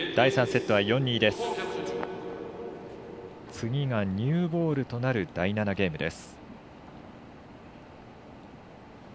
次がニューボールとなる第７ゲームです。